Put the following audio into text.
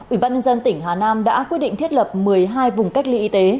ubnd tỉnh hà nam đã quyết định thiết lập một mươi hai vùng cách ly y tế